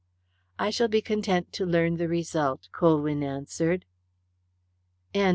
"I shall be content to learn the result," Colwyn answered.